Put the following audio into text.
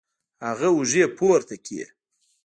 هغه اوږې پورته کړې